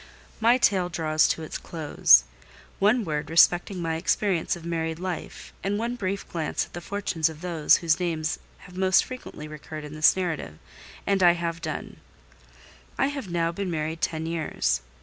My tale draws to its close: one word respecting my experience of married life, and one brief glance at the fortunes of those whose names have most frequently recurred in this narrative, and I have done. I have now been married ten years.